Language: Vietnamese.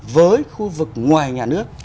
với khu vực ngoài nhà nước